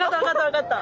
分かった。